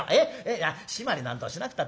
いや締まりなんぞしなくたって大丈夫。